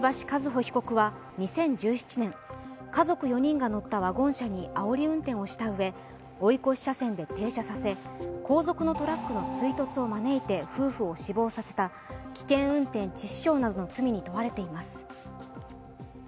和歩被告は２０１７年、家族４人が乗ったワゴン車にあおり運転をしたうえ、追い越し車線で停車させ後続のトラックの追突を招いて夫婦を死亡させた危険運転致死傷などの罪に問われています。